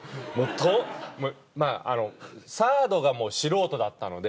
サードがもう素人だったので。